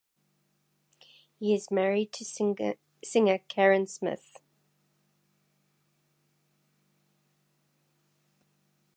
He is married to singer Karen Smith.